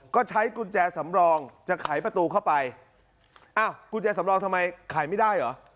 ก็ใช้กุญแจสำรองจะไขประตูเข้าไปอ้าวกุญแจสำรองทำไมขายไม่ได้เหรอ